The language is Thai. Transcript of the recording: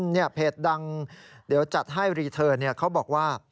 นี่เพจดังเดี๋ยวจัดให้รีเทิร์นเขาบอกว่า